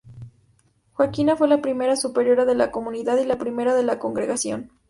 Joaquina fue la primera superiora de la comunidad y la primera de la congregación.